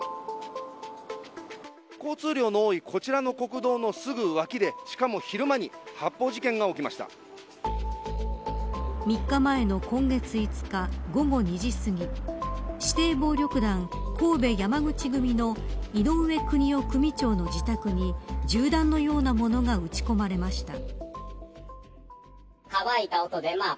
交通量の多いこちらの国道のすぐ脇で３日前の今月５日午後２時すぎ指定暴力団、神戸山口組の井上邦雄組長の自宅に銃弾のようなものが撃ち込まれました。